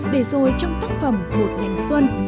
để rồi trong tác phẩm thuộc nhạc xuân